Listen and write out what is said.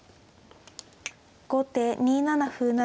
後手２七歩成。